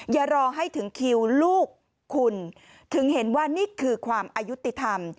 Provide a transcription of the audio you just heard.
อย่ารอให้ถึงคิวลูกคุณถึงเห็นว่านี่คือความอายุติธรรม